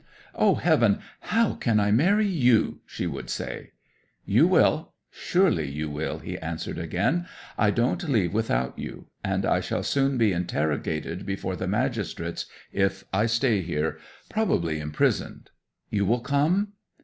"O Heaven, how can I marry you!" she would say. '"You will; surely you will!" he answered again. "I don't leave without you. And I shall soon be interrogated before the magistrates if I stay here; probably imprisoned. You will come?"